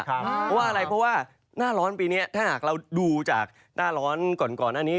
เพราะว่าอะไรเพราะว่าหน้าร้อนปีนี้ถ้าหากเราดูจากหน้าร้อนก่อนหน้านี้